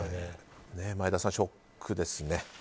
前田さん、ショックですね。